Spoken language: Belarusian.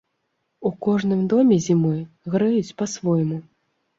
У кожным доме зімой грэюць па-свойму.